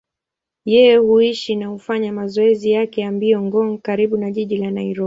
Yeye huishi na hufanya mazoezi yake ya mbio Ngong, karibu na jiji la Nairobi.